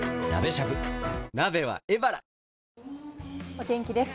お天気です。